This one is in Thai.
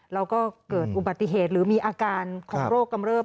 แล้วก็เกิดอุบัติเหตุหรือมีอาการของโรคกำเริบ